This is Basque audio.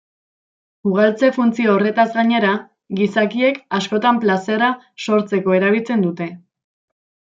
Ugaltze funtzio horretaz gainera, gizakiek askotan plazera sortzeko erabiltzen dute.